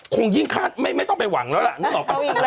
คงยิ่งคัดไม่ต้องไปหวังแล้วล่ะนั่นหรอก